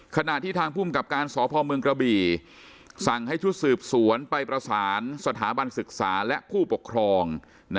ขณะที่ทางภูมิกับการสพเมืองกระบี่สั่งให้ชุดสืบสวนไปประสานสถาบันศึกษาและผู้ปกครอง